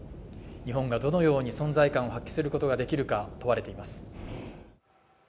日本がどのように存在感を発揮することができるか問われています。